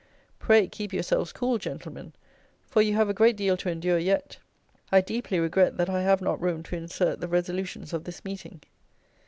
Pray, keep yourselves cool, gentlemen; for you have a great deal to endure yet. I deeply regret that I have not room to insert the resolutions of this meeting.